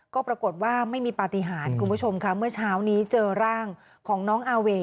ก็ปรากฏว่าไม่มีปฏิหารคุณผู้ชมค่ะเมื่อเช้านี้เจอร่างของน้องอาเว